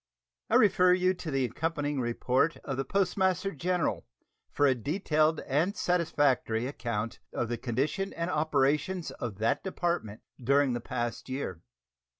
I refer you to the accompanying report of the Postmaster General for a detailed and satisfactory account of the condition and operations of that Department during the past year.